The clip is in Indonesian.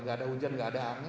tidak ada hujan tidak ada angin